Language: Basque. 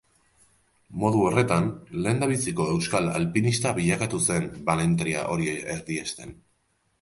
Modu horretan, lehendabiziko euskal alpinista bilakatu zen balentria hori erdiesten.